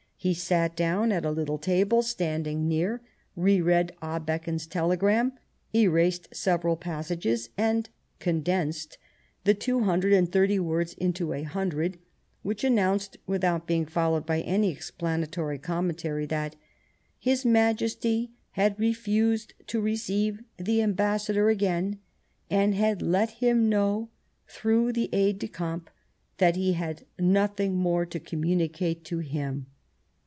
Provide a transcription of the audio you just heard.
He sat down at a little table standing near, re read Abeken's telegram, erased several passages, and " condensed " the two hundred and thirty words into a hundred, which announced without being followed by any explanatory com mentary, that " His Majesty had refused to receive the Ambassador again and had let him know through the aide de camp that he had nothing more to communicate to him."